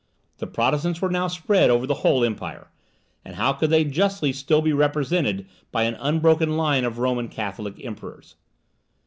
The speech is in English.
The Protestants were now spread over the whole Empire, and how could they justly still be represented by an unbroken line of Roman Catholic emperors?